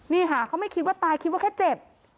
นี่ค่ะเขาไม่คิดว่าตายคิดว่าแค่เจ็บ